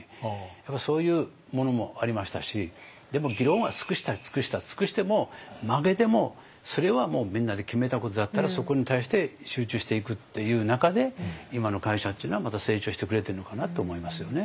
やっぱりそういうものもありましたしでも議論は尽くした尽くした尽くしても負けでもそれはもうみんなで決めたことだったらそこに対して集中していくっていう中で今の会社っていうのはまた成長してくれてるのかなって思いますよね。